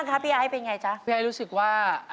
ขอบคุณค่ะ